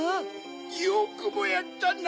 よくもやったな！